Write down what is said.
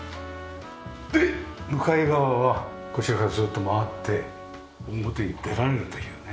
で向かい側はこちらからずっと回って表に出られるというね。